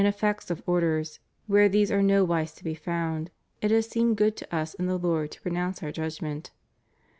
405 effects of Orders, where these are nowise to be found, it has seemed good to Us in the Lord to pronounce Our judgment.